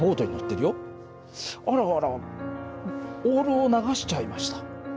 あらあらオ−ルを流しちゃいました。